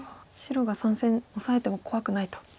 白が３線オサえても怖くないと。